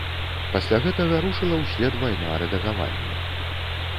Пасля гэтага рушыла ўслед вайна рэдагавання.